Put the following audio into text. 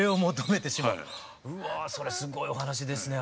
うわすごいお話ですね。